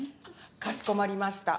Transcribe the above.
かしこまりました。